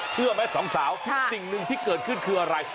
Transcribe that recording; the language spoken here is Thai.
เชื่อไหมสองสาวสิ่งหนึ่งที่เกิดขึ้นคืออะไร